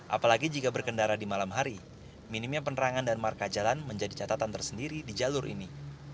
apalagi jika berkendara di malam hari minimnya penerangan dan marka jalan menjadi catatan tersendiri di jalur ini